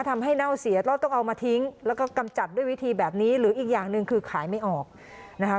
เน่าเสียแล้วต้องเอามาทิ้งแล้วก็กำจัดด้วยวิธีแบบนี้หรืออีกอย่างหนึ่งคือขายไม่ออกนะคะ